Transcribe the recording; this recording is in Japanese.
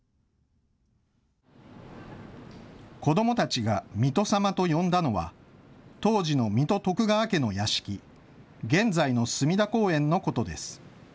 子どもたちが水戸様と呼んだのは当時の水戸徳川家の屋敷、現在の隅田公園のことです。